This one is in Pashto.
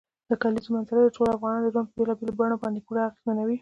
د کلیزو منظره د ټولو افغانانو ژوند په بېلابېلو بڼو باندې پوره اغېزمنوي.